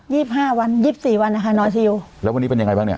สิบห้าวันยี่สิบสี่วันนะคะนอนซิลแล้ววันนี้เป็นยังไงบ้างเนี่ย